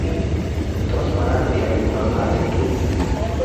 Tos, magaat iyay kuno saishek tugul?